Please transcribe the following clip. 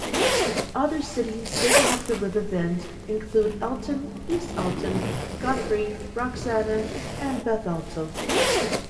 Other cities making up the "Riverbend" include Alton, East Alton, Godfrey, Roxana and Bethalto.